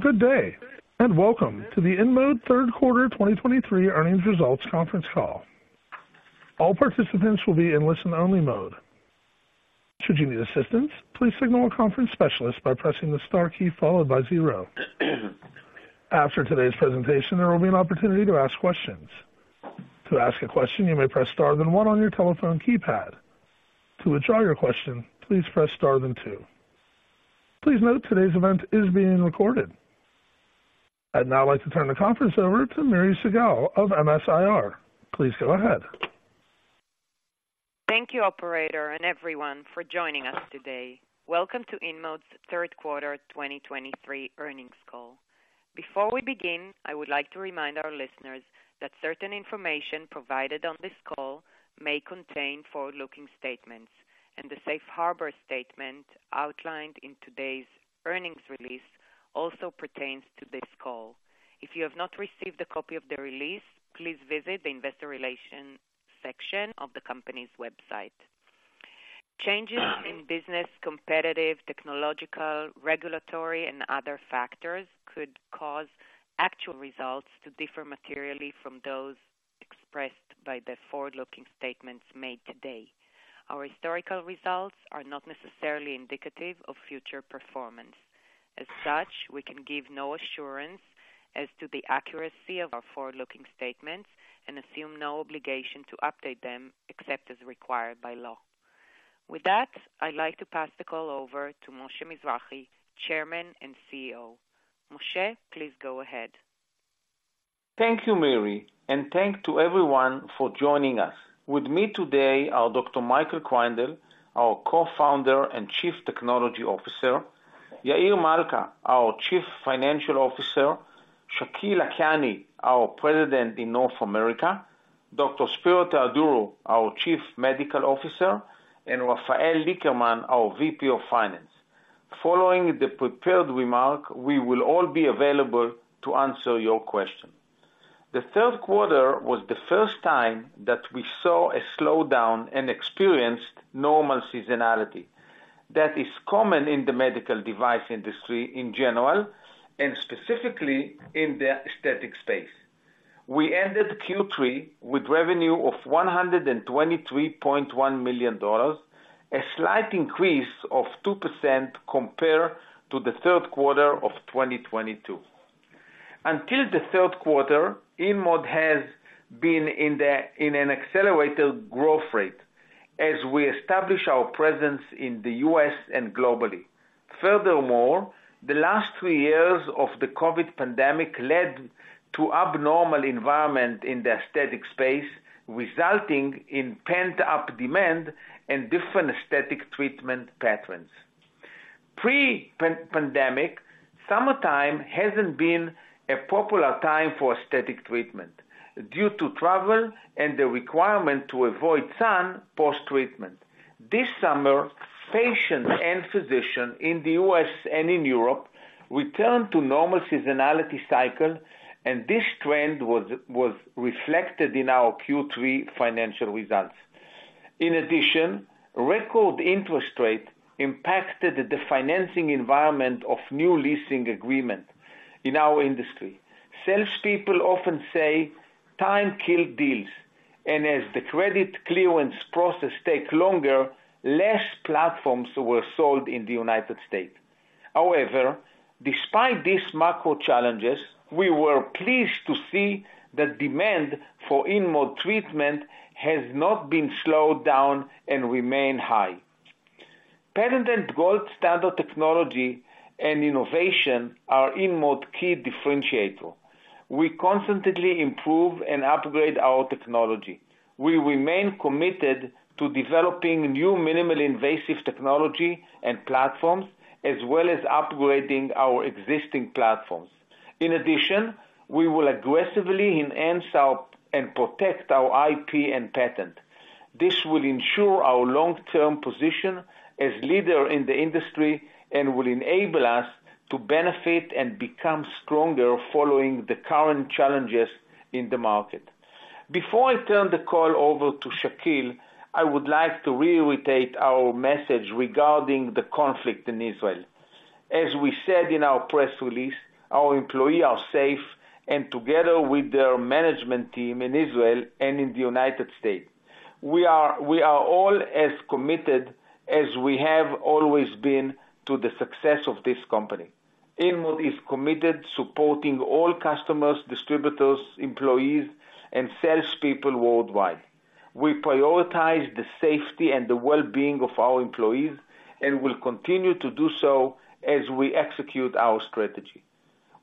Good day, and welcome to the InMode Third Quarter 2023 Earnings Results Conference Call. All participants will be in listen-only mode. Should you need assistance, please signal a conference specialist by pressing the star key followed by zero. After today's presentation, there will be an opportunity to ask questions. To ask a question, you may press star then one on your telephone keypad. To withdraw your question, please press star then two. Please note, today's event is being recorded. I'd now like to turn the conference over to Miri Segal of MS-IR. Please go ahead. Thank you, operator, and everyone for joining us today. Welcome to InMode's Third Quarter 2023 Earnings Call. Before we begin, I would like to remind our listeners that certain information provided on this call may contain forward-looking statements, and the safe harbor statement outlined in today's earnings release also pertains to this call. If you have not received a copy of the release, please visit the investor relations section of the company's website. Changes in business, competitive, technological, regulatory, and other factors could cause actual results to differ materially from those expressed by the forward-looking statements made today. Our historical results are not necessarily indicative of future performance. As such, we can give no assurance as to the accuracy of our forward-looking statements and assume no obligation to update them, except as required by law. With that, I'd like to pass the call over to Moshe Mizrahy, Chairman and CEO. Moshe, please go ahead. Thank you, Miri, and thanks to everyone for joining us. With me today are Dr. Michael Kreindel, our co-founder and Chief Technology Officer, Yair Malca, our Chief Financial Officer, Shakil Lakhani, our President in North America, Dr. Spero Theodorou, our Chief Medical Officer, and Rafael Lickerman, our VP of Finance. Following the prepared remarks, we will all be available to answer your questions. The third quarter was the first time that we saw a slowdown and experienced normal seasonality that is common in the medical device industry in general, and specifically in the aesthetic space. We ended Q3 with revenue of $123.1 million, a slight increase of 2% compared to the third quarter of 2022. Until the third quarter, InMode has been in an accelerated growth rate as we establish our presence in the US and globally. Furthermore, the last three years of the COVID pandemic led to abnormal environment in the aesthetic space, resulting in pent-up demand and different aesthetic treatment patterns. Pre-pandemic, summertime hasn't been a popular time for aesthetic treatment due to travel and the requirement to avoid sun post-treatment. This summer, patients and physicians in the U.S. and in Europe returned to normal seasonality cycle, and this trend was reflected in our Q3 financial results. In addition, record interest rate impacted the financing environment of new leasing agreement in our industry. Salespeople often say time kills deals, and as the credit clearance process take longer, less platforms were sold in the United States. However, despite these macro challenges, we were pleased to see that demand for InMode treatment has not been slowed down and remain high. Patented and gold standard technology and innovation are InMode key differentiator. We constantly improve and upgrade our technology. We remain committed to developing new minimally invasive technology and platforms, as well as upgrading our existing platforms. In addition, we will aggressively enhance our... and protect our IP and patent. This will ensure our long-term position as leader in the industry and will enable us to benefit and become stronger following the current challenges in the market. Before I turn the call over to Shakil, I would like to reiterate our message regarding the conflict in Israel. As we said in our press release, our employees are safe, and together with their management team in Israel and in the United States, we are all as committed as we have always been to the success of this company. InMode is committed supporting all customers, distributors, employees and salespeople worldwide. We prioritize the safety and the well-being of our employees and will continue to do so as we execute our strategy.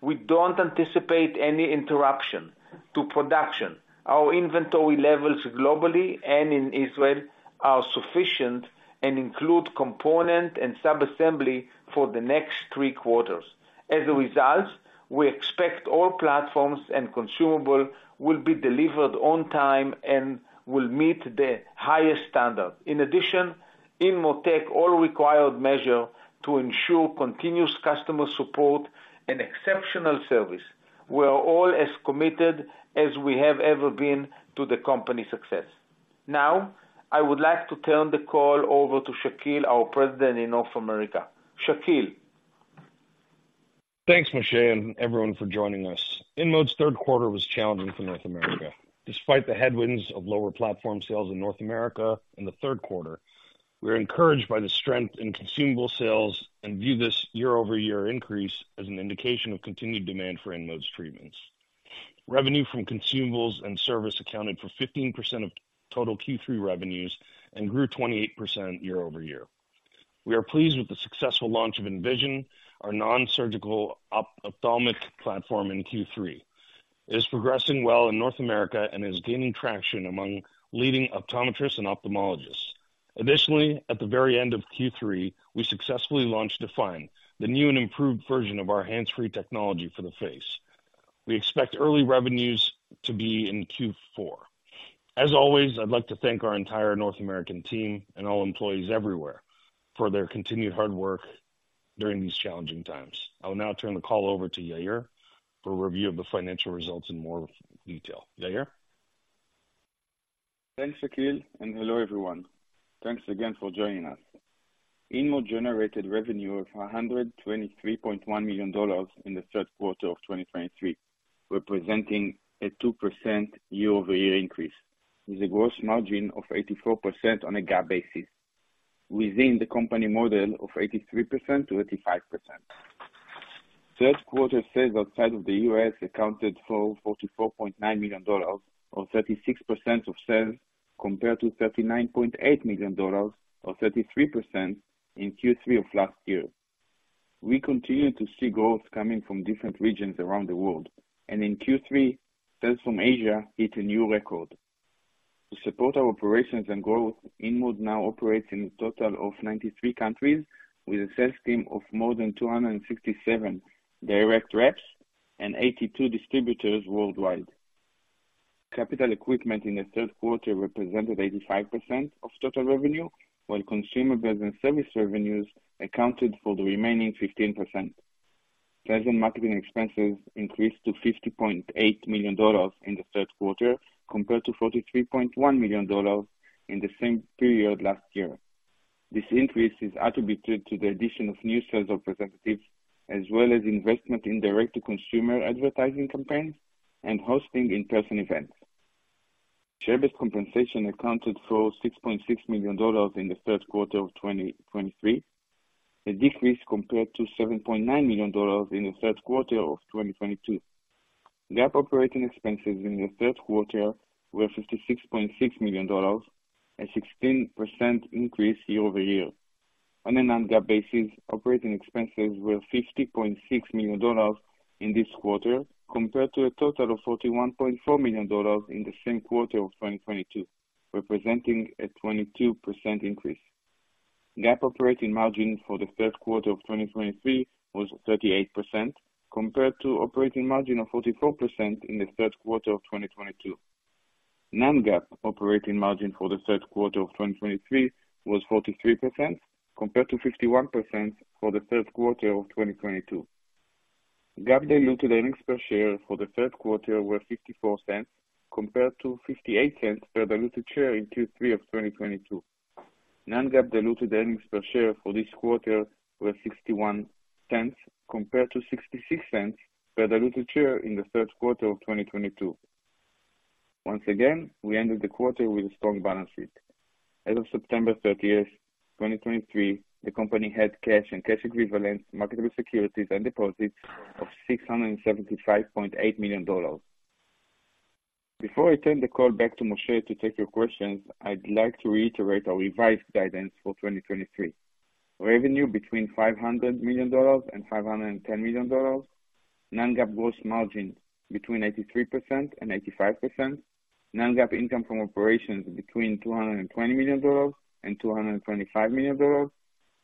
We don't anticipate any interruption to production. Our inventory levels globally and in Israel are sufficient and include components and subassemblies for the next three quarters. As a result, we expect all platforms and consumables will be delivered on time and will meet the highest standard. In addition, InMode takes all required measures to ensure continuous customer support and exceptional service. We are all as committed as we have ever been to the company's success.... Now, I would like to turn the call over to Shakil, our president in North America. Shakil? Thanks, Moshe, and everyone for joining us. InMode's third quarter was challenging for North America. Despite the headwinds of lower platform sales in North America in the third quarter, we're encouraged by the strength in consumable sales and view this year-over-year increase as an indication of continued demand for InMode's treatments. Revenue from consumables and service accounted for 15% of total Q3 revenues and grew 28% year-over-year. We are pleased with the successful launch of Envision, our non-surgical ophthalmic platform, in Q3. It is progressing well in North America and is gaining traction among leading optometrists and ophthalmologists. Additionally, at the very end of Q3, we successfully launched Define, the new and improved version of our hands-free technology for the face. We expect early revenues to be in Q4. As always, I'd like to thank our entire North American team and all employees everywhere for their continued hard work during these challenging times. I will now turn the call over to Yair for a review of the financial results in more detail. Yair? Thanks, Shakil, and hello, everyone. Thanks again for joining us. InMode generated revenue of $123.1 million in the third quarter of 2023, representing a 2% year-over-year increase, with a gross margin of 84% on a GAAP basis, within the company model of 83%-85%. Third quarter sales outside of the U.S. accounted for $44.9 million, or 36% of sales, compared to $39.8 million, or 33% in Q3 of last year. We continue to see growth coming from different regions around the world, and in Q3, sales from Asia hit a new record. To support our operations and growth, InMode now operates in a total of 93 countries, with a sales team of more than 267 direct reps and 82 distributors worldwide. Capital equipment in the third quarter represented 85% of total revenue, while consumables and service revenues accounted for the remaining 15%. Sales and marketing expenses increased to $50.8 million in the third quarter, compared to $43.1 million in the same period last year. This increase is attributed to the addition of new sales representatives, as well as investment in direct-to-consumer advertising campaigns and hosting in-person events. Share-based compensation accounted for $6.6 million in the third quarter of 2023, a decrease compared to $7.9 million in the third quarter of 2022. GAAP operating expenses in the third quarter were $56.6 million, a 16% increase year-over-year. On a non-GAAP basis, operating expenses were $50.6 million in this quarter, compared to a total of $41.4 million in the same quarter of 2022, representing a 22% increase. GAAP operating margin for the third quarter of 2023 was 38%, compared to operating margin of 44% in the third quarter of 2022. Non-GAAP operating margin for the third quarter of 2023 was 43%, compared to 51% for the third quarter of 2022. GAAP diluted earnings per share for the third quarter were $0.54, compared to $0.58 per diluted share in Q3 of 2022. Non-GAAP diluted earnings per share for this quarter were $0.61, compared to $0.66 per diluted share in the third quarter of 2022. Once again, we ended the quarter with a strong balance sheet. As of September 30th, 2023, the company had cash and cash equivalents, marketable securities and deposits of $675.8 million. Before I turn the call back to Moshe to take your questions, I'd like to reiterate our revised guidance for 2023. Revenue between $500 million and $510 million. Non-GAAP gross margin between 83% and 85%. Non-GAAP income from operations between $220 million and $225 million.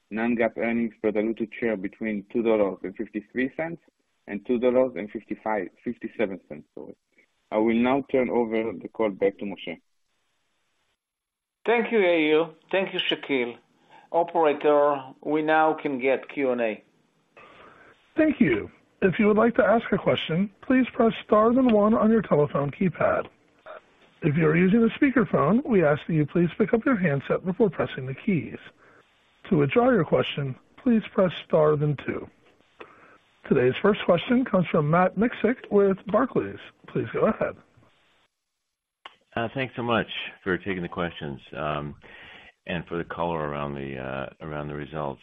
Non-GAAP earnings per diluted share between $2.53 and $2.55-$2.57, sorry. I will now turn over the call back to Moshe. Thank you, Yair. Thank you, Shakil. Operator, we now can get Q&A. Thank you. If you would like to ask a question, please press star then one on your telephone keypad. If you are using a speakerphone, we ask that you please pick up your handset before pressing the keys. To withdraw your question, please press star then two. Today's first question comes from Matt Miksic with Barclays. Please go ahead. Thanks so much for taking the questions, and for the color around the results.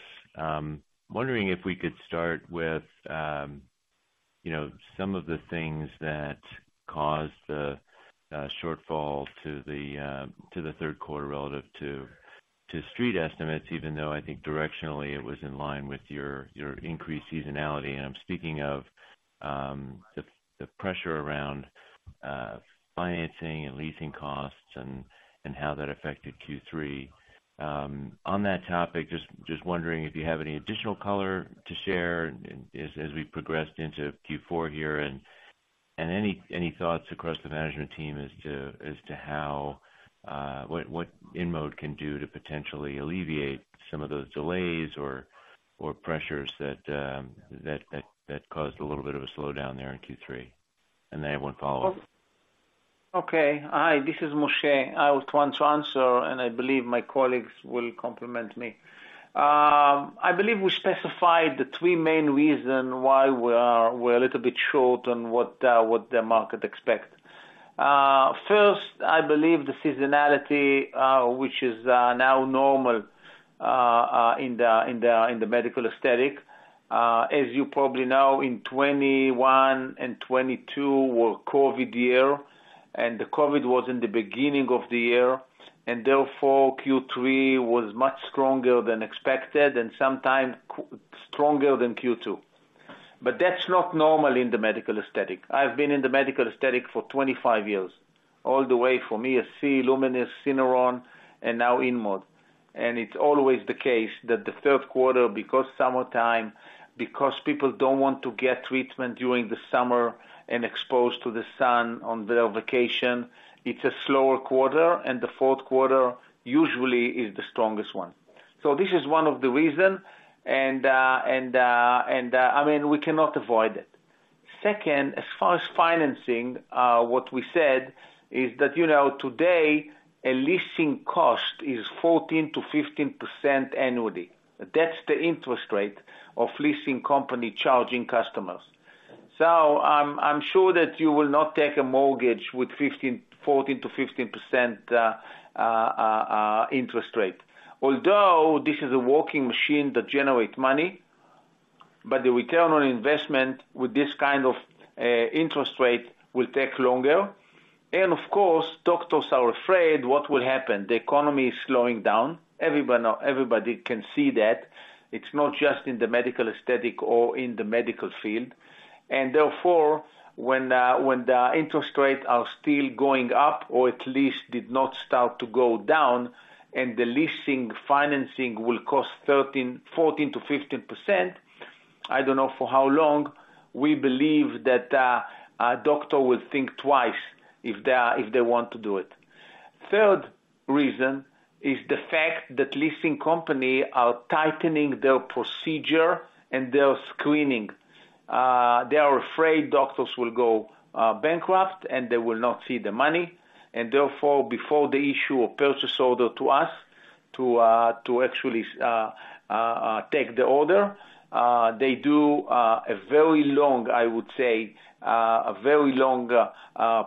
Wondering if we could start with, you know, some of the things that caused the shortfall to the third quarter relative to street estimates, even though I think directionally it was in line with your increased seasonality. I'm speaking of the pressure around financing and leasing costs and how that affected Q3. On that topic, just wondering if you have any additional color to share as we've progressed into Q4 here, and any thoughts across the management team as to how what InMode can do to potentially alleviate some of those delays or-... or pressures that caused a little bit of a slowdown there in Q3? And I have one follow-up. Okay. Hi, this is Moshe. I would want to answer, and I believe my colleagues will compliment me. I believe we specified the three main reason why we are, we're a little bit short on what, what the market expect. First, I believe the seasonality, which is, now normal, in the, in the, in the medical aesthetic. As you probably know, in 2021 and 2022 were COVID year, and the COVID was in the beginning of the year, and therefore, Q3 was much stronger than expected, and sometimes Q3 stronger than Q2. But that's not normal in the medical aesthetic. I've been in the medical aesthetic for 25 years, all the way from ESC, Lumenis, Syneron, and now InMode. It's always the case that the third quarter, because summertime, because people don't want to get treatment during the summer and exposed to the sun on their vacation, it's a slower quarter, and the fourth quarter usually is the strongest one. So this is one of the reason, and I mean, we cannot avoid it. Second, as far as financing, what we said is that, you know, today, a leasing cost is 14%-15% annually. That's the interest rate of leasing company charging customers. So I'm sure that you will not take a mortgage with 14%-15% interest rate. Although this is a working machine that generates money, but the return on investment with this kind of interest rate will take longer. And of course, doctors are afraid what will happen. The economy is slowing down. Everybody knows. Everybody can see that. It's not just in the medical aesthetic or in the medical field. And therefore, when the interest rates are still going up, or at least did not start to go down, and the leasing financing will cost 13%-15%, I don't know for how long, we believe that a doctor will think twice if they want to do it. Third reason is the fact that leasing company are tightening their procedure and their screening. They are afraid doctors will go bankrupt, and they will not see the money, and therefore, before they issue a purchase order to us, to actually take the order, they do a very long, I would say, a very long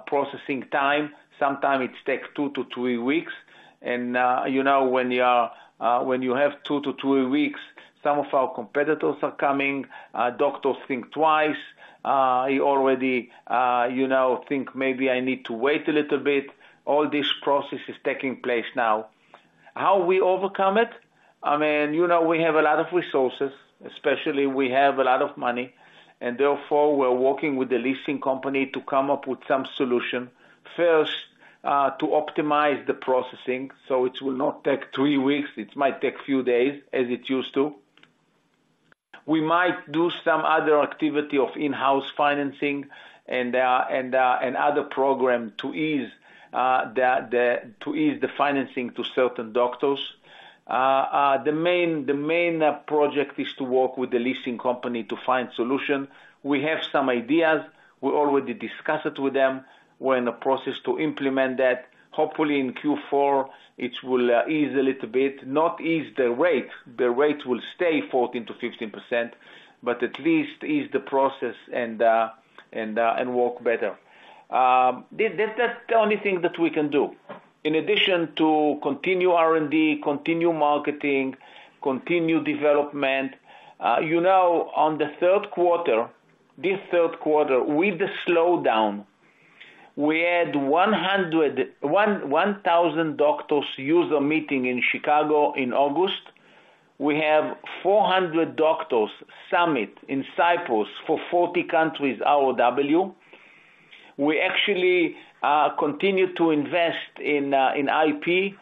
processing time. Sometimes it takes 2-3 weeks. And, you know, when you have 2-3 weeks, some of our competitors are coming, doctors think twice. He already, you know, think maybe I need to wait a little bit. All this process is taking place now. How we overcome it? I mean, you know, we have a lot of resources, especially we have a lot of money, and therefore, we're working with the leasing company to come up with some solution. First, to optimize the processing, so it will not take three weeks, it might take a few days, as it used to. We might do some other activity of in-house financing and, and, and other program to ease, the, the, to ease the financing to certain doctors. The main project is to work with the leasing company to find solution. We have some ideas. We already discussed it with them. We're in the process to implement that. Hopefully, in Q4, it will ease a little bit. Not ease the rate, the rate will stay 14%-15%, but at least ease the process and work better. That, that's the only thing that we can do. In addition to continue R&D, continue marketing, continue development, you know, on the third quarter, this third quarter, with the slowdown, we had 1,000 doctors user meeting in Chicago in August. We have 400 doctors summit in Cyprus for 40 countries, ROW. We actually continued to invest in IP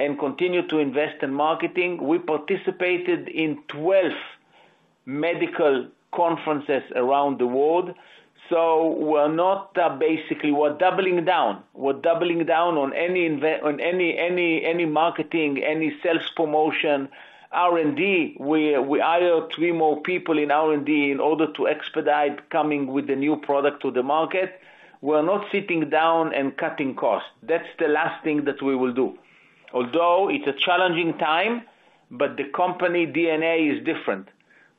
and continued to invest in marketing. We participated in 12 medical conferences around the world, so we're not basically, we're doubling down. We're doubling down on any on any, any, any marketing, any sales promotion, R&D. We hire 3 more people in R&D in order to expedite coming with the new product to the market. We're not sitting down and cutting costs. That's the last thing that we will do. Although it's a challenging time, but the company DNA is different.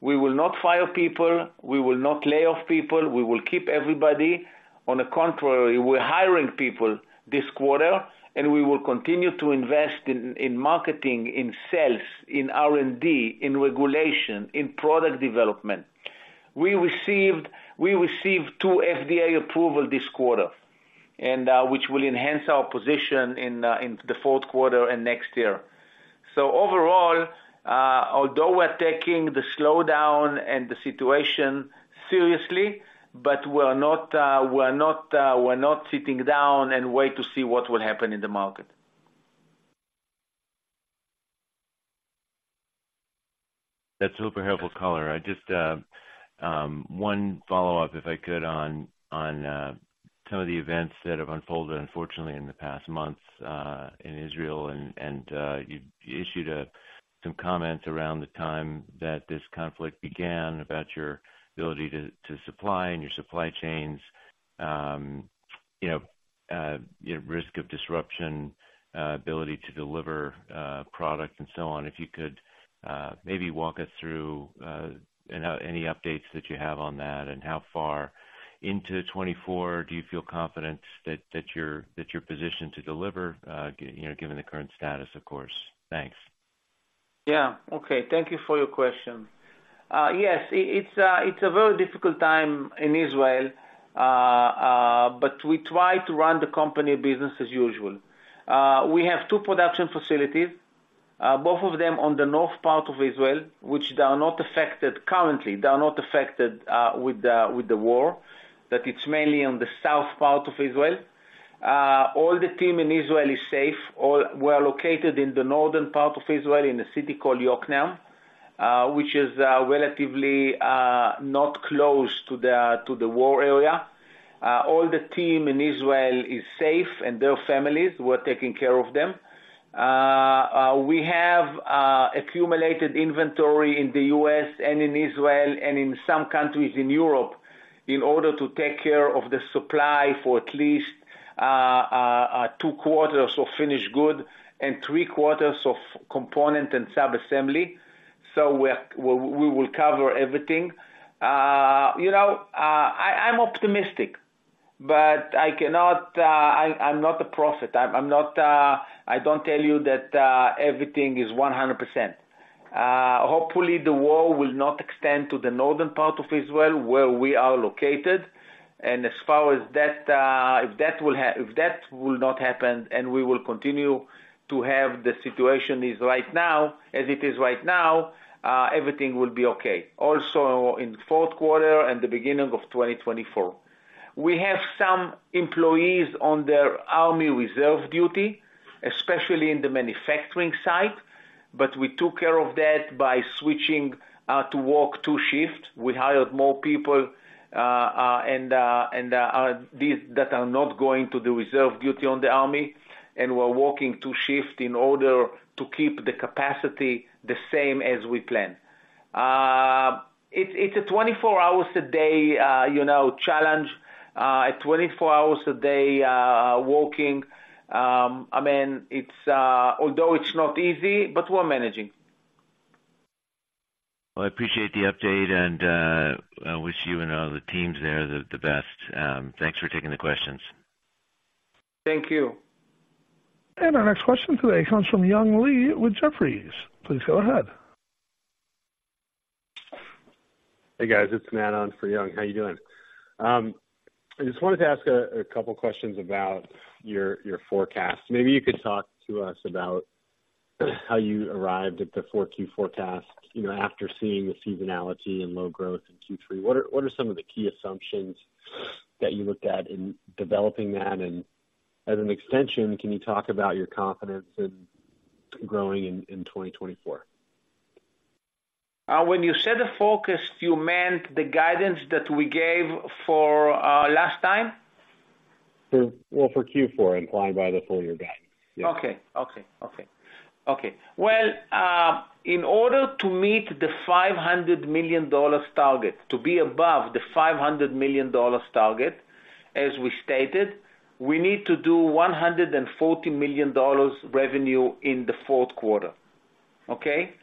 We will not fire people, we will not lay off people, we will keep everybody. On the contrary, we're hiring people this quarter, and we will continue to invest in marketing, in sales, in R&D, in regulation, in product development. We received two FDA approval this quarter, and which will enhance our position in the fourth quarter and next year. Overall, although we're taking the slowdown and the situation seriously, but we're not sitting down and wait to see what will happen in the market. That's super helpful color. I just, one follow-up, if I could, on some of the events that have unfolded, unfortunately, in the past months, in Israel, and you issued some comments around the time that this conflict began, about your ability to supply and your supply chains, you know, risk of disruption, ability to deliver, product and so on. If you could, maybe walk us through and how any updates that you have on that, and how far into 2024 do you feel confident that you're positioned to deliver, you know, given the current status, of course? Thanks. Yeah. Okay. Thank you for your question. Yes, it's a very difficult time in Israel, but we try to run the company business as usual. We have two production facilities, both of them on the north part of Israel, which they are not affected currently. They are not affected with the war, that it's mainly on the south part of Israel. All the team in Israel is safe. All were located in the northern part of Israel, in a city called Yokneam, which is relatively not close to the war area. All the team in Israel is safe, and their families, we're taking care of them. We have accumulated inventory in the U.S. and in Israel and in some countries in Europe, in order to take care of the supply for at least two quarters of finished goods and three quarters of component and sub-assembly. So we will cover everything. You know, I'm optimistic, but I cannot, I'm not a prophet. I'm not, I don't tell you that everything is 100%. Hopefully, the war will not extend to the northern part of Israel, where we are located, and as far as that, if that will not happen and we will continue to have the situation as it is right now, everything will be okay. Also, in the fourth quarter and the beginning of 2024. We have some employees on their army reserve duty, especially in the manufacturing site, but we took care of that by switching to work two shifts. We hired more people, and these that are not going to do reserve duty on the army, and we're working two shifts in order to keep the capacity the same as we planned. It's a 24 hours a day, you know, challenge, a 24 hours a day working. I mean, although it's not easy, but we're managing. Well, I appreciate the update, and I wish you and all the teams there the best. Thanks for taking the questions. Thank you. Our next question today comes from Young Li with Jefferies. Please go ahead. Hey, guys, it's Matt on for Young. How you doing? I just wanted to ask a couple questions about your forecast. Maybe you could talk to us about how you arrived at the Q4 forecast, you know, after seeing the seasonality and low growth in Q3. What are some of the key assumptions that you looked at in developing that? And as an extension, can you talk about your confidence in growing in 2024? When you said the forecast, you meant the guidance that we gave for last time? Well, for Q4 and implying by the full year guidance. Okay. Well, in order to meet the $500 million target, to be above the $500 million target, as we stated, we need to do $140 million revenue in the fourth quarter. Okay?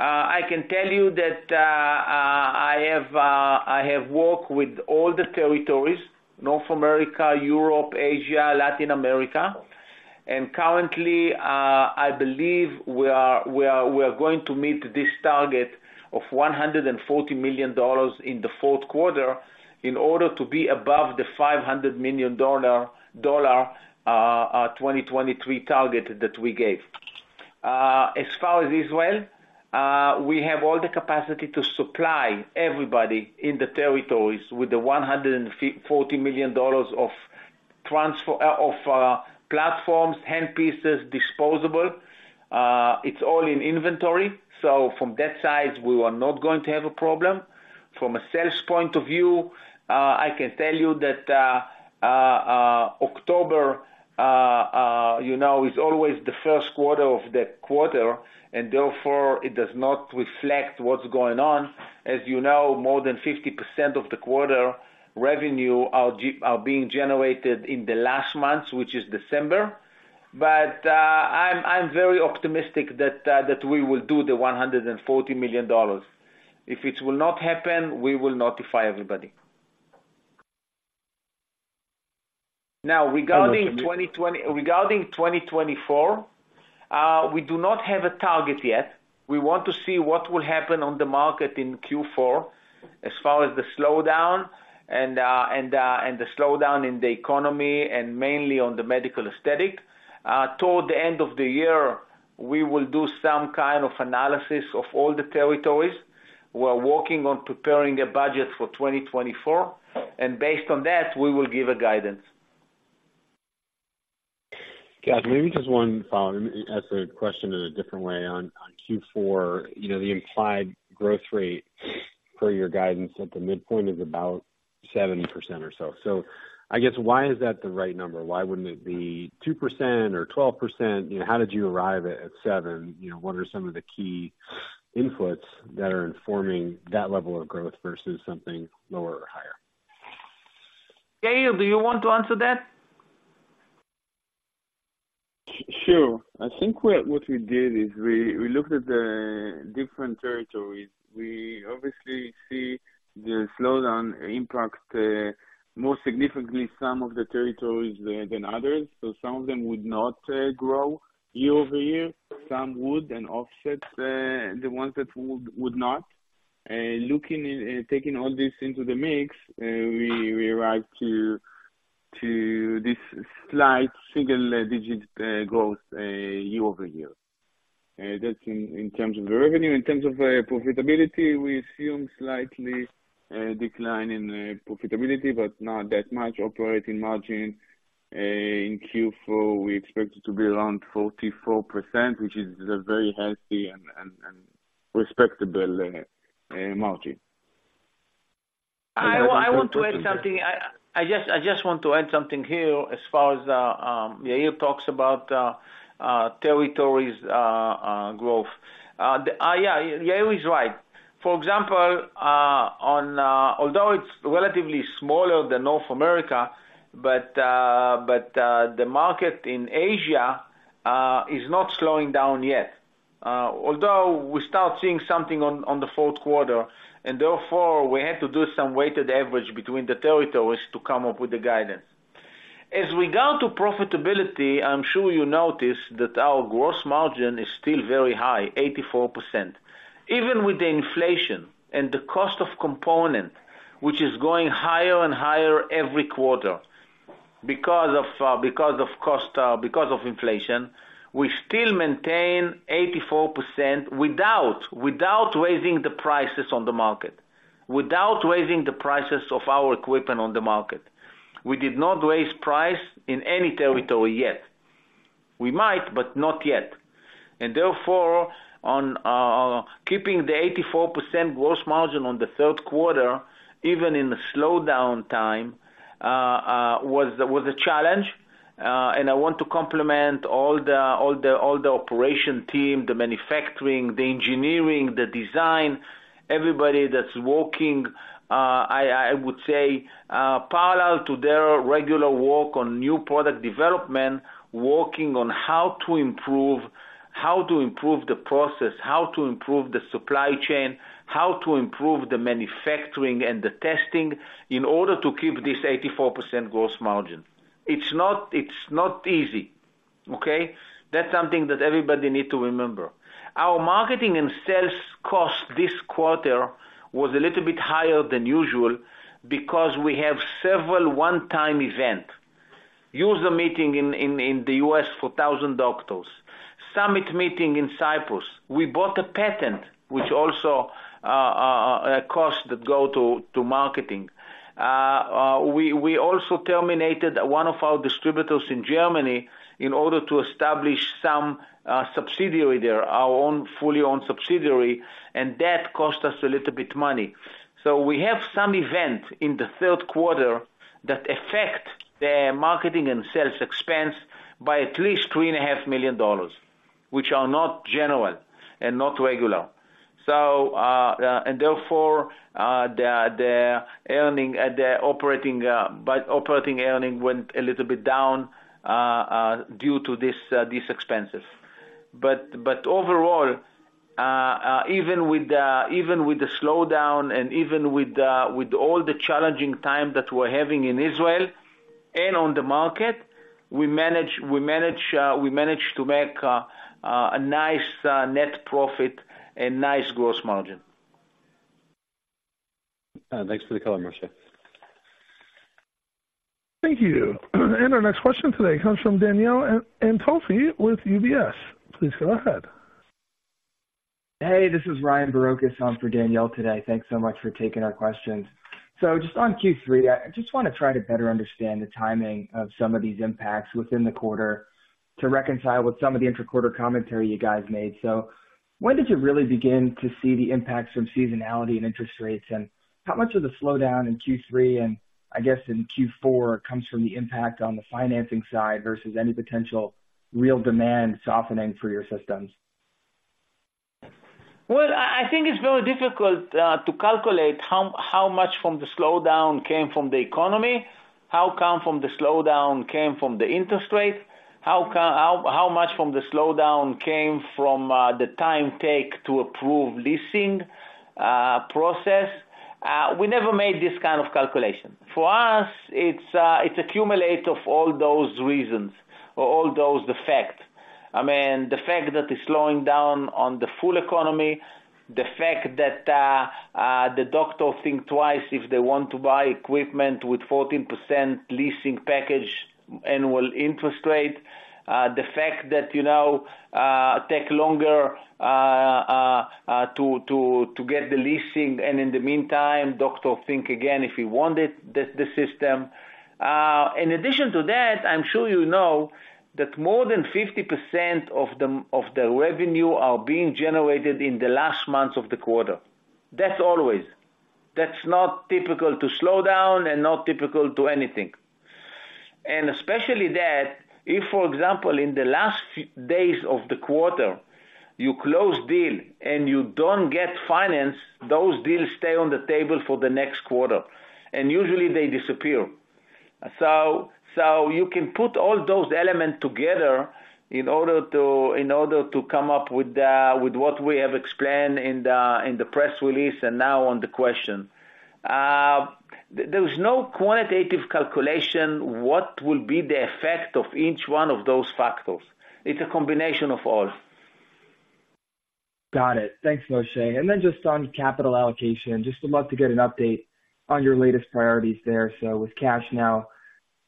I can tell you that, I have worked with all the territories: North America, Europe, Asia, Latin America, and currently, I believe we are going to meet this target of $140 million in the fourth quarter, in order to be above the $500 million 2023 target that we gave. As far as Israel, we have all the capacity to supply everybody in the territories with the $140 million of transfer, of platforms, hand pieces, disposable. It's all in inventory, so from that side, we are not going to have a problem. From a sales point of view, I can tell you that October, you know, is always the first quarter of the quarter, and therefore, it does not reflect what's going on. As you know, more than 50% of the quarter revenue are being generated in the last months, which is December. But I'm very optimistic that we will do the $140 million. If it will not happen, we will notify everybody. Now, regarding 2024, we do not have a target yet. We want to see what will happen on the market in Q4, as far as the slowdown in the economy, and mainly on the medical aesthetic. Toward the end of the year, we will do some kind of analysis of all the territories. We are working on preparing a budget for 2024, and based on that, we will give a guidance.... Yeah, maybe just one follow-up. Let me ask the question in a different way on, on Q4. You know, the implied growth rate per your guidance at the midpoint is about 7% or so. So I guess, why is that the right number? Why wouldn't it be 2% or 12%? You know, how did you arrive at, at 7%? You know, what are some of the key inputs that are informing that level of growth versus something lower or higher? Yair, do you want to answer that? Sure. I think what we did is we looked at the different territories. We obviously see the slowdown impact more significantly some of the territories than others, so some of them would not grow year-over-year. Some would, and offsets the ones that would not. Looking and taking all this into the mix, we arrived to this slight single-digit growth year-over-year. That's in terms of the revenue. In terms of profitability, we assume slightly decline in profitability, but not that much operating margin. In Q4, we expect it to be around 44%, which is a very healthy and respectable margin. I want to add something. I just want to add something here as far as Yair talks about territories growth. Yeah, Yair is right. For example, although it's relatively smaller than North America, but the market in Asia is not slowing down yet. Although we start seeing something on the fourth quarter, and therefore, we had to do some weighted average between the territories to come up with the guidance. As regards to profitability, I'm sure you notice that our gross margin is still very high, 84%. Even with the inflation and the cost of component, which is going higher and higher every quarter because of, because of cost, because of inflation, we still maintain 84% without, without raising the prices on the market, without raising the prices of our equipment on the market. We did not raise price in any territory yet. We might, but not yet, and therefore, on keeping the 84% gross margin on the third quarter, even in the slowdown time, was a challenge, and I want to compliment all the operation team, the manufacturing, the engineering, the design, everybody that's working, I would say, parallel to their regular work on new product development, working on how to improve the process, how to improve the supply chain, how to improve the manufacturing and the testing in order to keep this 84% gross margin. It's not easy, okay? That's something that everybody need to remember. Our marketing and sales cost this quarter was a little bit higher than usual because we have several one-time event. User meeting in the U.S., 4,000 doctors. Summit meeting in Cyprus. We bought a patent, which also, a cost that go to, to marketing. We also terminated one of our distributors in Germany in order to establish some, subsidiary there, our own fully owned subsidiary, and that cost us a little bit money. So we have some event in the third quarter that affect the marketing and sales expense by at least $3.5 million, which are not general and not regular. So, and therefore, the, the earning, the operating, but operating earning went a little bit down, due to this, this expenses. Overall, even with the slowdown and even with all the challenging time that we're having in Israel and on the market, we managed to make a nice net profit and nice gross margin. Thanks for the color, Moshe. Thank you. Our next question today comes from Danielle Antalffy with UBS. Please go ahead. Hey, this is Ryan Barocas on for Danielle today. Thanks so much for taking our questions. So just on Q3, I just want to try to better understand the timing of some of these impacts within the quarter to reconcile with some of the intra-quarter commentary you guys made. So when did you really begin to see the impacts from seasonality and interest rates? And how much of the slowdown in Q3, and I guess in Q4, comes from the impact on the financing side versus any potential real demand softening for your systems? Well, I think it's very difficult to calculate how much from the slowdown came from the economy, how much from the slowdown came from the interest rate, how much from the slowdown came from the time take to approve leasing process. We never made this kind of calculation. For us, it's it accumulate of all those reasons or all those facts. I mean, the fact that it's slowing down on the full economy, the fact that the doctors think twice if they want to buy equipment with 14% leasing package annual interest rate, the fact that, you know, take longer to get the leasing, and in the meantime, doctor think again, if he wanted the system. In addition to that, I'm sure you know that more than 50% of the revenue are being generated in the last months of the quarter. That's always. That's not typical to slow down and not typical to anything. And especially that, if, for example, in the last days of the quarter, you close deal and you don't get financed, those deals stay on the table for the next quarter, and usually they disappear. So you can put all those elements together in order to come up with what we have explained in the press release, and now on the question. There is no quantitative calculation what will be the effect of each one of those factors? It's a combination of all. Got it. Thanks, Moshe. Then just on capital allocation, just would love to get an update on your latest priorities there. So with cash now,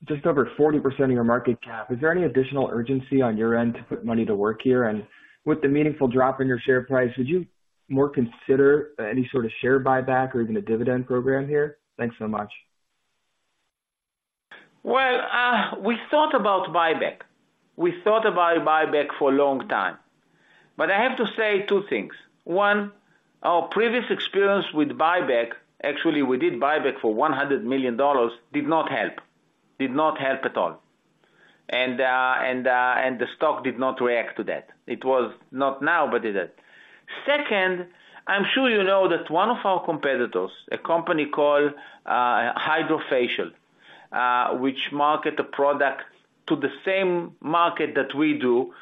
just over 40% of your market cap, is there any additional urgency on your end to put money to work here? And with the meaningful drop in your share price, would you more consider any sort of share buyback or even a dividend program here? Thanks so much. Well, we thought about buyback. We thought about buyback for a long time, but I have to say two things: One, our previous experience with buyback, actually, we did buyback for $100 million, did not help. Did not help at all. And the stock did not react to that. It was not now, but it is. Second, I'm sure you know that one of our competitors, a company called HydraFacial, which market a product to the same market that we do,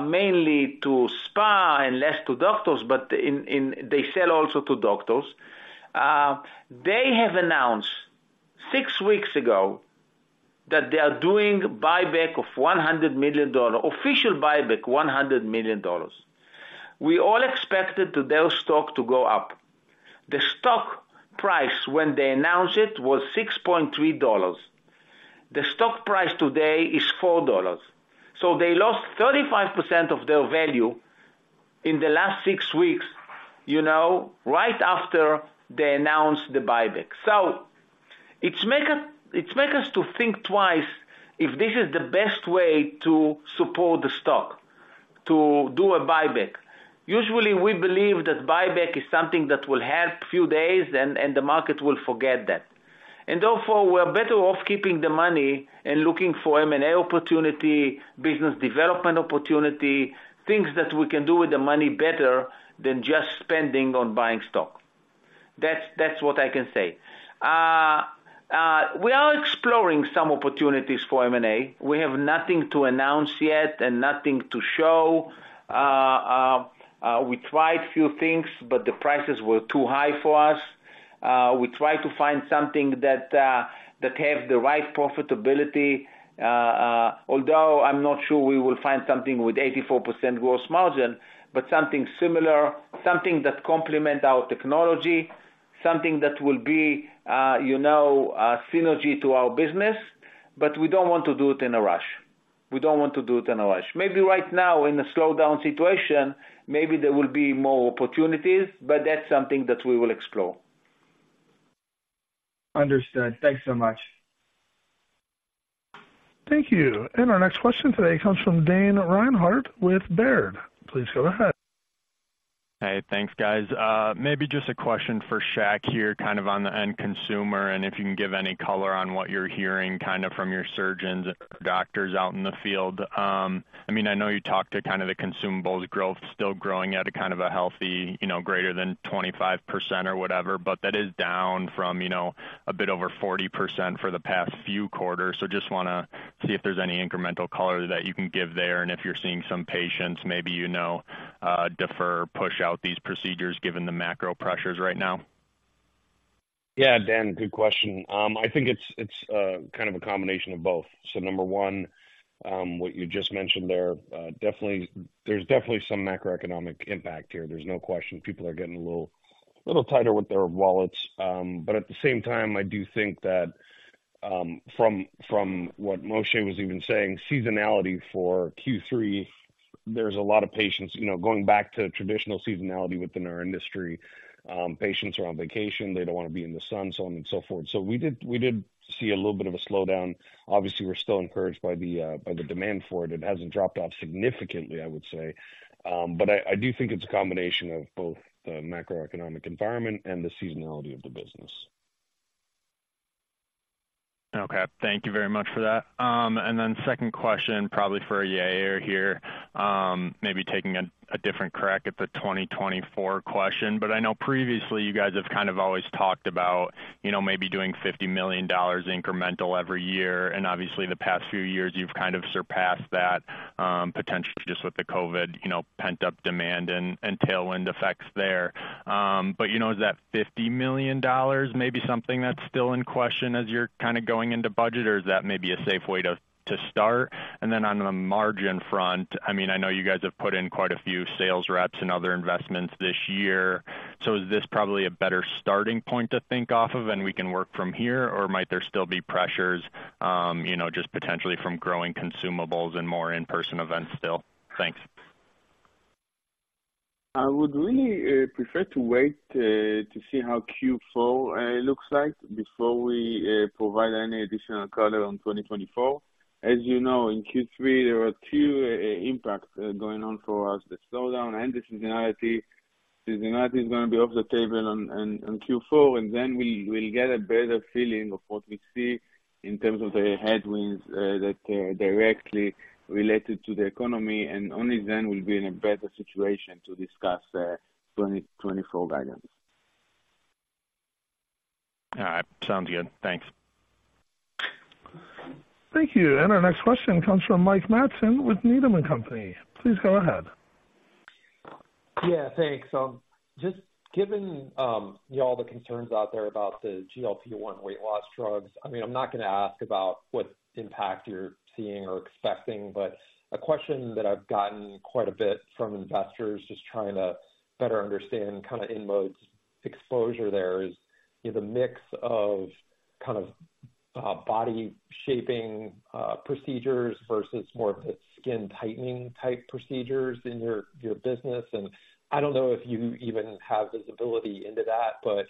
mainly to spa and less to doctors, but they sell also to doctors. They have announced six weeks ago, that they are doing buyback of $100 million, official buyback, $100 million. We all expected to their stock to go up. The stock price, when they announced it, was $6.3. The stock price today is $4, so they lost 35% of their value in the last six weeks, you know, right after they announced the buyback. So it make us, it make us to think twice, if this is the best way to support the stock, to do a buyback. Usually, we believe that buyback is something that will help few days, and the market will forget that. And therefore, we're better off keeping the money and looking for M&A opportunity, business development opportunity, things that we can do with the money better than just spending on buying stock. That's, that's what I can say. We are exploring some opportunities for M&A. We have nothing to announce yet and nothing to show. We tried a few things, but the prices were too high for us. We tried to find something that, that have the right profitability, although I'm not sure we will find something with 84% gross margin, but something similar, something that complement our technology, something that will be, you know, synergy to our business, but we don't want to do it in a rush. We don't want to do it in a rush. Maybe right now, in a slowdown situation, maybe there will be more opportunities, but that's something that we will explore. Understood. Thanks so much. Thank you. Our next question today comes from Dane Reinhardt with Baird. Please go ahead. Hey, thanks, guys. Maybe just a question for Shak here, kind of on the end consumer, and if you can give any color on what you're hearing, kind of from your surgeons, doctors out in the field. I mean, I know you talked to kind of the consumables growth, still growing at a kind of a healthy, you know, greater than 25% or whatever, but that is down from, you know, a bit over 40% for the past few quarters. So just want to see if there's any incremental color that you can give there, and if you're seeing some patients, maybe you know, defer, push out these procedures given the macro pressures right now. Yeah, Dane, good question. I think it's kind of a combination of both. So number one, what you just mentioned there, definitely - there's definitely some macroeconomic impact here. There's no question. People are getting a little, little tighter with their wallets, but at the same time, I do think that, from what Moshe was even saying, seasonality for Q3, there's a lot of patients, you know, going back to traditional seasonality within our industry, patients are on vacation, they don't want to be in the sun, so on and so forth. So we did see a little bit of a slowdown. Obviously, we're still encouraged by the demand for it. It hasn't dropped off significantly, I would say. But I do think it's a combination of both the macroeconomic environment and the seasonality of the business. Okay, thank you very much for that. And then second question, probably for Yair here. Maybe taking a different crack at the 2024 question, but I know previously you guys have kind of always talked about, you know, maybe doing $50 million incremental every year, and obviously, the past few years you've kind of surpassed that, potentially just with the COVID, you know, pent-up demand and tailwind effects there. But, you know, is that $50 million maybe something that's still in question as you're kind of going into budget, or is that maybe a safe way to start? And then on the margin front, I mean, I know you guys have put in quite a few sales reps and other investments this year. So is this probably a better starting point to think off of, and we can work from here? Or might there still be pressures, you know, just potentially from growing consumables and more in-person events still? Thanks. I would really prefer to wait to see how Q4 looks like before we provide any additional color on 2024. As you know, in Q3, there were two impacts going on for us, the slowdown and the seasonality. Seasonality is going to be off the table on Q4, and then we'll get a better feeling of what we see in terms of the headwinds that directly related to the economy, and only then we'll be in a better situation to discuss 2024 guidance. All right. Sounds good. Thanks. Thank you. Our next question comes from Mike Matson with Needham and Company. Please go ahead. Yeah, thanks. Just given you all the concerns out there about the GLP-1 weight loss drugs, I mean, I'm not going to ask about what impact you're seeing or expecting, but a question that I've gotten quite a bit from investors just trying to better understand kind of InMode's exposure there is, the mix of kind of body shaping procedures versus more of the skin tightening type procedures in your business. And I don't know if you even have visibility into that, but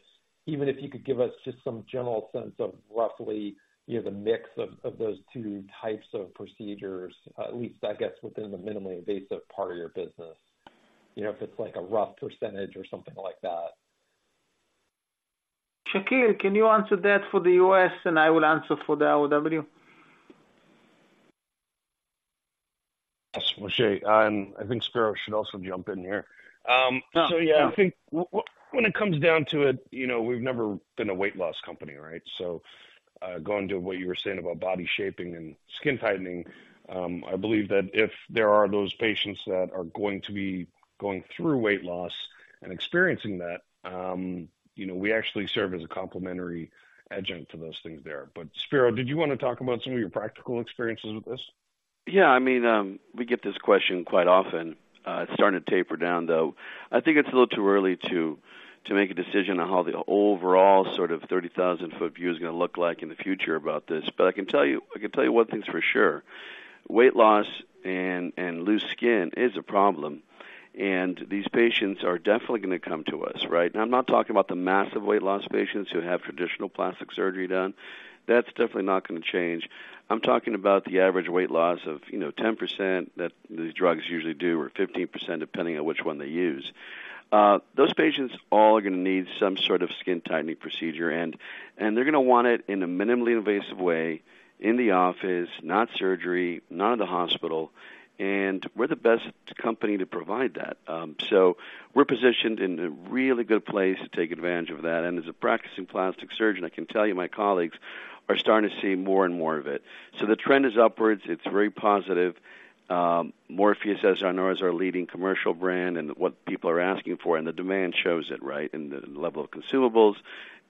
even if you could give us just some general sense of roughly, you know, the mix of those two types of procedures, at least I guess, within the minimally invasive part of your business, you know, if it's like a rough percentage or something like that. Shakil, can you answer that for the U.S., and I will answer for the OUS? Yes, Moshe, and I think Spero should also jump in here. So yeah, I think when it comes down to it, you know, we've never been a weight loss company, right? So, going to what you were saying about body shaping and skin tightening, I believe that if there are those patients that are going to be going through weight loss and experiencing that, you know, we actually serve as a complementary adjunct to those things there. But Spero, did you want to talk about some of your practical experiences with this? Yeah, I mean, we get this question quite often. It's starting to taper down, though. I think it's a little too early to make a decision on how the overall sort of 30,000-foot view is going to look like in the future about this. But I can tell you, I can tell you one thing's for sure, weight loss and loose skin is a problem, and these patients are definitely going to come to us, right? Now, I'm not talking about the massive weight loss patients who have traditional plastic surgery done. That's definitely not going to change. I'm talking about the average weight loss of, you know, 10%, that these drugs usually do, or 15%, depending on which one they use. Those patients all are going to need some sort of skin tightening procedure, and they're going to want it in a minimally invasive way, in the office, not surgery, not at the hospital, and we're the best company to provide that. So we're positioned in a really good place to take advantage of that. As a practicing plastic surgeon, I can tell you, my colleagues are starting to see more and more of it. The trend is upwards. It's very positive. Morpheus8 is our leading commercial brand, and what people are asking for, and the demand shows it, right, in the level of consumables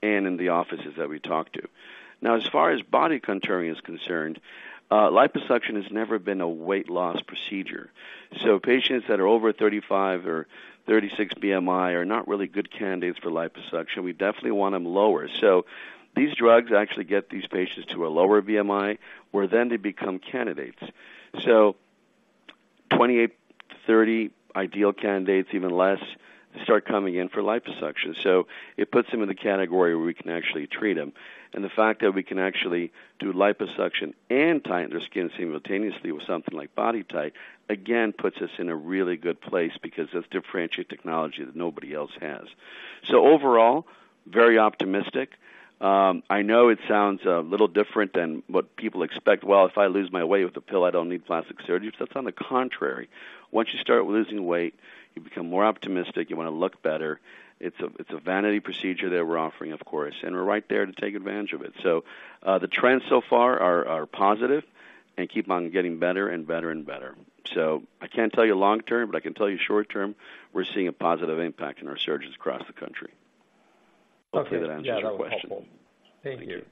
and in the offices that we talk to. Now, as far as body contouring is concerned, liposuction has never been a weight loss procedure. So patients that are over 35 or 36 BMI are not really good candidates for liposuction. We definitely want them lower. So these drugs actually get these patients to a lower BMI, where then they become candidates. So 28, 30 ideal candidates, even less, start coming in for liposuction. So it puts them in the category where we can actually treat them. And the fact that we can actually do liposuction and tighten their skin simultaneously with something like BodyTite, again, puts us in a really good place because that's differentiated technology that nobody else has. So overall, very optimistic. I know it sounds a little different than what people expect. Well, if I lose my weight with a pill, I don't need plastic surgery. That's on the contrary. Once you start losing weight, you become more optimistic. You want to look better. It's a vanity procedure that we're offering of course, and we're right there to take advantage of it. So, the trends so far are positive and keep on getting better and better and better. So I can't tell you long term, but I can tell you short term, we're seeing a positive impact in our surgeons across the country. Hopefully that answers your question. Yeah, that was helpful. Thank you. Thank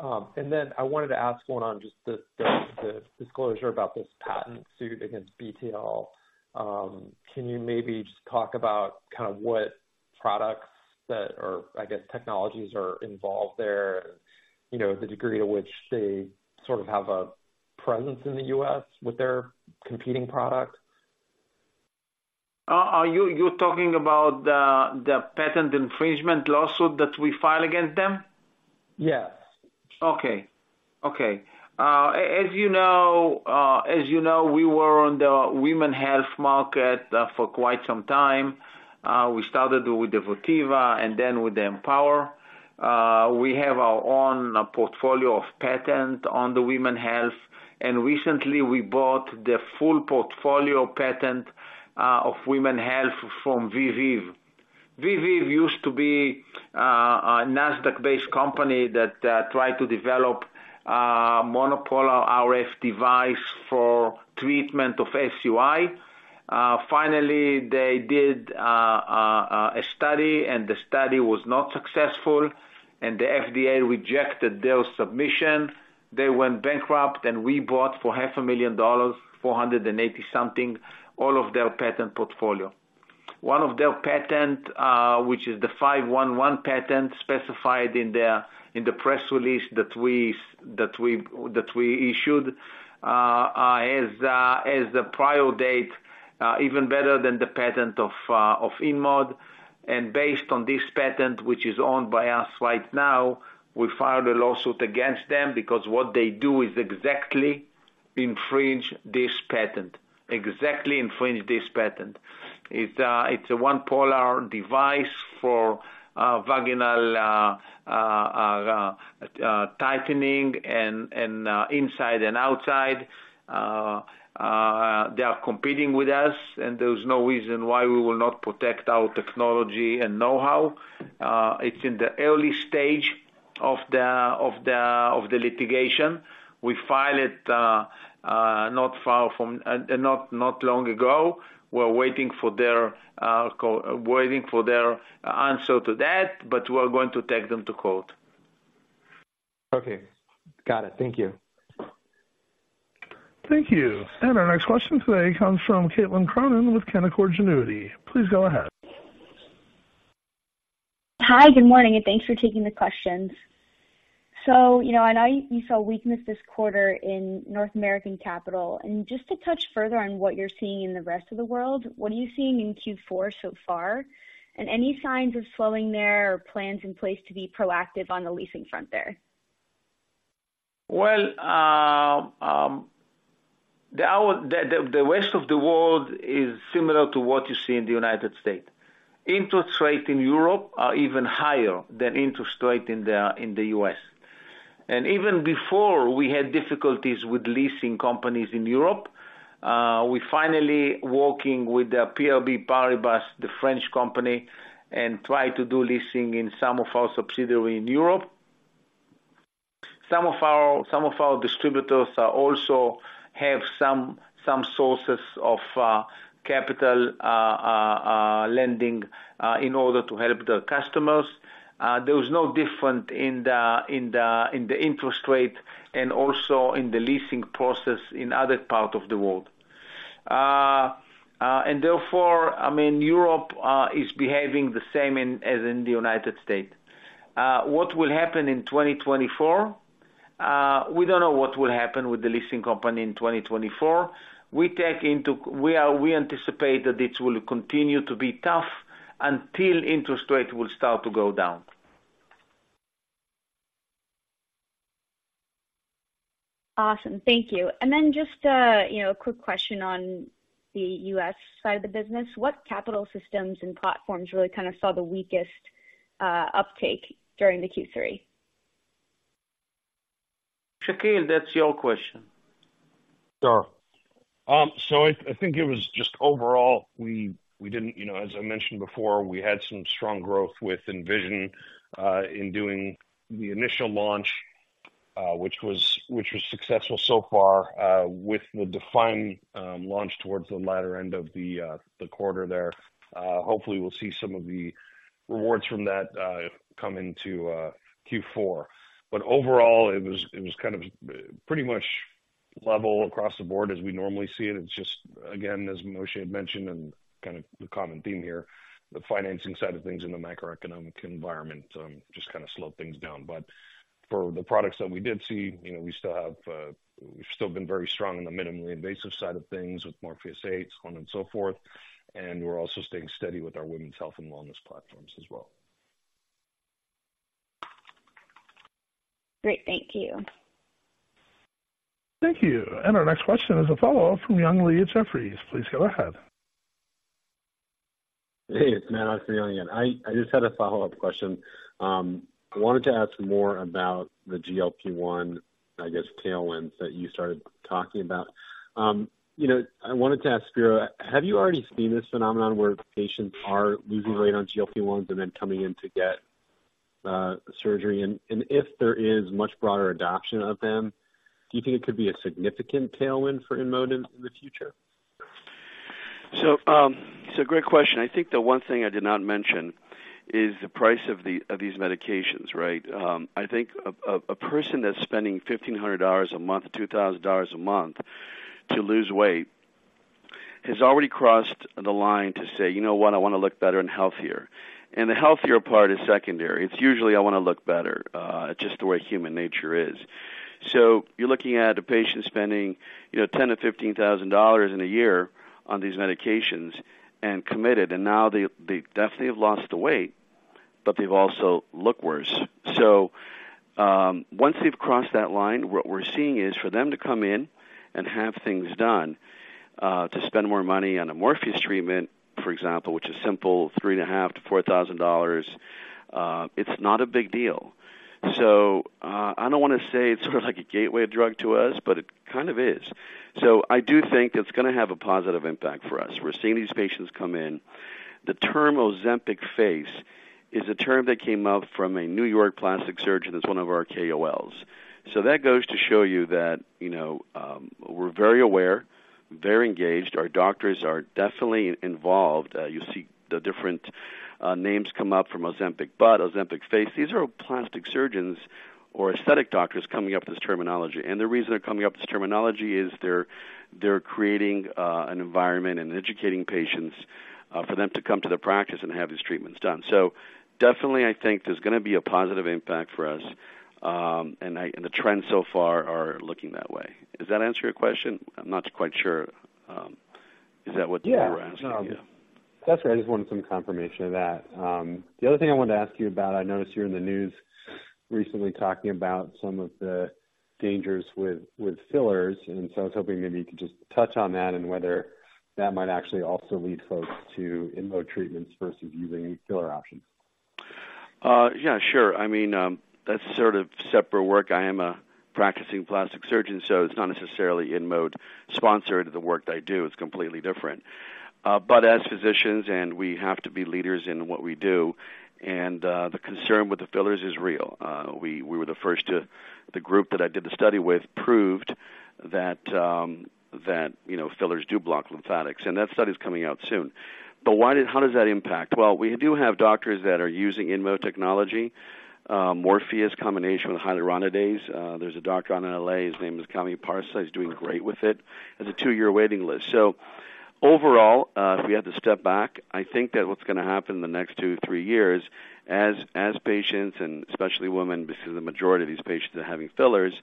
you. And then I wanted to ask one on just the disclosure about this patent suit against BTL. Can you maybe just talk about kind of what products that are, I guess, technologies are involved there? You know, the degree to which they sort of have a presence in the U.S. with their competing products. Are you talking about the patent infringement lawsuit that we filed against them? Yes. Okay. Okay. As you know, as you know, we were on the women's health market for quite some time. We started with the Votiva and then with the Empower. We have our own portfolio of patents on the women's health, and recently we bought the full patent portfolio of women's health from Viveve. Viveve used to be a Nasdaq-based company that tried to develop monopolar RF device for treatment of SUI. Finally, they did a study, and the study was not successful, and the FDA rejected their submission. They went bankrupt, and we bought for $500,000, 480-something, all of their patent portfolio. One of their patent, which is the 511 patent, specified in the press release that we issued, has the prior date, even better than the patent of InMode. And based on this patent, which is owned by us right now, we filed a lawsuit against them because what they do is exactly infringe this patent. Exactly infringe this patent. It's a monopolar device for vaginal tightening and inside and outside. They are competing with us, and there is no reason why we will not protect our technology and know-how. It's in the early stage of the litigation. We filed it not long ago. We're waiting for their answer to that, but we are going to take them to court. Okay. Got it. Thank you. Thank you. Our next question today comes from Caitlin Cronin with Canaccord Genuity. Please go ahead. Hi, good morning, and thanks for taking the questions. So, you know, I know you saw weakness this quarter in North American capital, and just to touch further on what you're seeing in the rest of the world, what are you seeing in Q4 so far? And any signs of slowing there or plans in place to be proactive on the leasing front there? Well, the rest of the world is similar to what you see in the United States. Interest rates in Europe are even higher than interest rate in the, in the U.S. And even before we had difficulties with leasing companies in Europe, we finally working with the BNP Paribas, the French company, and try to do leasing in some of our subsidiary in Europe. Some of our, some of our distributors are also have some, some sources of, capital lending in order to help their customers. There is no different in the, in the, in the interest rate and also in the leasing process in other parts of the world. And therefore, I mean, Europe is behaving the same as in the United States. What will happen in 2024? We don't know what will happen with the leasing company in 2024. We anticipate that this will continue to be tough until interest rates will start to go down. Awesome. Thank you. And then just, you know, a quick question on the U.S. side of the business. What capital systems and platforms really kind of saw the weakest uptake during the Q3? Shakil, that's your question. Sure. So I, I think it was just overall, we, we didn't, you know, as I mentioned before, we had some strong growth with Envision, in doing the initial launch, which was, which was successful so far, with the Define, launch towards the latter end of the, the quarter there. Hopefully, we'll see some of the rewards from that, come into, Q4. But overall, it was, it was kind of pretty much level across the board as we normally see it. It's just, again, as Moshe had mentioned, and kind of the common theme here, the financing side of things in the macroeconomic environment, just kind of slowed things down. But for the products that we did see, you know, we still have, we've still been very strong in the minimally invasive side of things with Morpheus8, so on and so forth. And we're also staying steady with our women's health and wellness platforms as well. Great. Thank you. Thank you. Our next question is a follow-up from Young Lee at Jefferies. Please go ahead. Hey, it's Matt again. I just had a follow-up question. I wanted to ask more about the GLP-1, I guess, tailwinds that you started talking about. You know, I wanted to ask Spero, have you already seen this phenomenon where patients are losing weight on GLP-1s and then coming in to get surgery? And if there is much broader adoption of them, do you think it could be a significant tailwind for InMode in the future? So, it's a great question. I think the one thing I did not mention is the price of of these medications, right? I think a person that's spending $1,500 a month or $2,000 a month to lose weight, has already crossed the line to say: You know what? I wanna look better and healthier. And the healthier part is secondary. It's usually I wanna look better, just the way human nature is. So you're looking at a patient spending, you know, $10,000-$15,000 in a year on these medications and committed, and now they, they definitely have lost the weight, but they've also looked worse. So, once they've crossed that line, what we're seeing is for them to come in and have things done, to spend more money on a Morpheus treatment, for example, which is simple, $3,500-$4,000, it's not a big deal. So, I don't wanna say it's sort of like a gateway drug to us, but it kind of is. So I do think it's gonna have a positive impact for us. We're seeing these patients come in. The term Ozempic face is a term that came out from a New York plastic surgeon that's one of our KOLs. So that goes to show you that, you know, we're very aware.... very engaged. Our doctors are definitely involved. You see the different names come up from Ozempic butt, Ozempic face. These are all plastic surgeons or aesthetic doctors coming up with this terminology, and the reason they're coming up with this terminology is they're creating an environment and educating patients for them to come to the practice and have these treatments done. So definitely, I think there's gonna be a positive impact for us. And the trends so far are looking that way. Does that answer your question? I'm not quite sure, is that what you were asking? Yeah. That's right. I just wanted some confirmation of that. The other thing I wanted to ask you about, I noticed you were in the news recently talking about some of the dangers with fillers, and so I was hoping maybe you could just touch on that and whether that might actually also lead folks to InMode treatments versus using filler options. Yeah, sure. I mean, that's sort of separate work. I am a practicing plastic surgeon, so it's not necessarily InMode sponsored, the work that I do, it's completely different. But as physicians, and we have to be leaders in what we do, and the concern with the fillers is real. We were the first to—the group that I did the study with proved that, you know, fillers do block lymphatics, and that study is coming out soon. But why did—How does that impact? Well, we do have doctors that are using InMode technology, Morpheus combination with hyaluronidase. There's a doctor out in L.A., his name is Kami Parsa. He's doing great with it. There's a two-year waiting list. So overall, if we had to step back, I think that what's gonna happen in the next 2-3 years as patients, and especially women, because the majority of these patients are having fillers,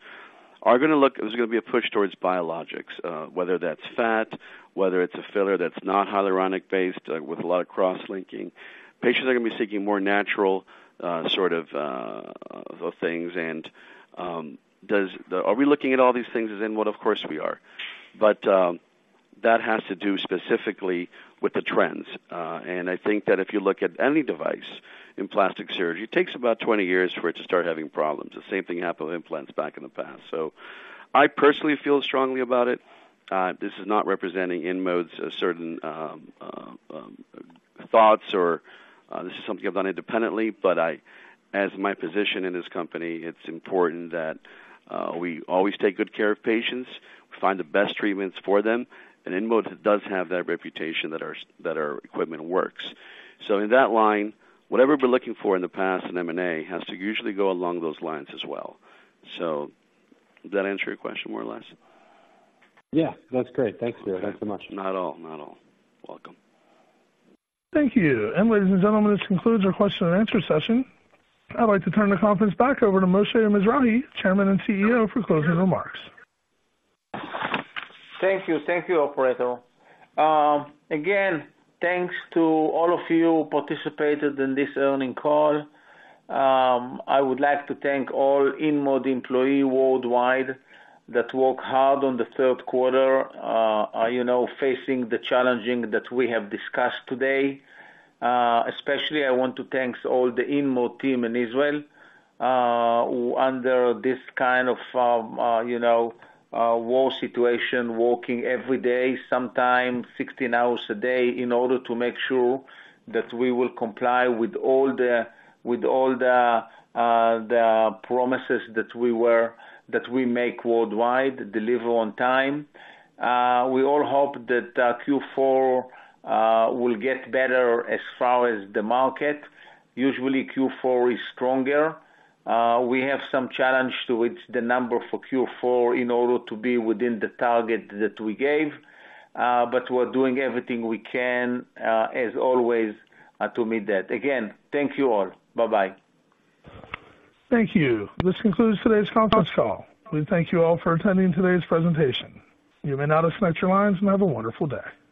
are gonna look... There's gonna be a push towards biologics, whether that's fat, whether it's a filler that's not hyaluronic-based, with a lot of cross-linking. Patients are gonna be seeking more natural, sort of, things. And are we looking at all these things in InMode? Of course, we are. But that has to do specifically with the trends. And I think that if you look at any device in plastic surgery, it takes about 20 years for it to start having problems. The same thing happened with implants back in the past. So I personally feel strongly about it. This is not representing InMode's certain thoughts or, this is something I've done independently, but I, as my position in this company, it's important that we always take good care of patients, we find the best treatments for them, and InMode does have that reputation that our equipment works. So in that line, whatever we're looking for in the past in M&A, has to usually go along those lines as well. So does that answer your question more or less? Yeah, that's great. Thanks, Spero. Thanks so much. Not at all. Not at all. Welcome. Thank you. Ladies and gentlemen, this concludes our question and answer session. I'd like to turn the conference back over to Moshe Mizrahy, Chairman and CEO, for closing remarks. Thank you. Thank you, operator. Again, thanks to all of you who participated in this earnings call. I would like to thank all InMode employees worldwide that work hard on the third quarter, you know, facing the challenges that we have discussed today. Especially, I want to thank all the InMode team in Israel, who under this kind of, you know, war situation, working every day, sometimes 16 hours a day, in order to make sure that we will comply with all the, with all the, the promises that we make worldwide, deliver on time. We all hope that Q4 will get better as far as the market. Usually, Q4 is stronger. We have some challenge to reach the number for Q4 in order to be within the target that we gave, but we're doing everything we can, as always, to meet that. Again, thank you all. Bye-bye. Thank you. This concludes today's conference call. We thank you all for attending today's presentation. You may now disconnect your lines and have a wonderful day.